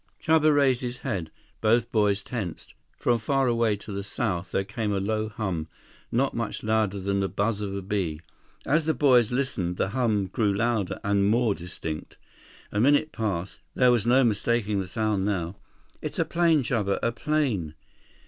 115 Chuba raised his head. Both boys tensed. From far away, to the south, there came a low hum, not much louder than the buzz of a bee. As the boys listened, the hum grew louder and more distinct. A minute passed. There was no mistaking the sound now. "It's a plane, Chuba! A plane!"